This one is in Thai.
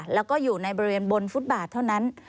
แล้วก็อยู่ในบริเวณบนฟุตบาทเท่านั้น